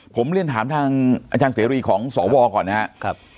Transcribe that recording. ผมเรียนถามทางอาจารย์เสรีของสวก่อนนะครับ